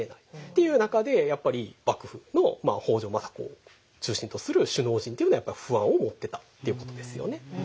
という中でやっぱり幕府の北条政子を中心とする首脳陣というのはやっぱり不安を持ってたということですよね。